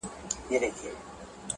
o گل وي ياران وي او سايه د غرمې.